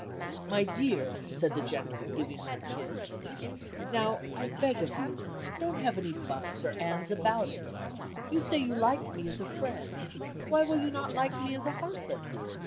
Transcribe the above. my dear," said the General, giving her a kiss. "Now, I beg of you, don't have any 'buts' or 'ands' about it. You say you like me as a friend, why will you not like me as a husband?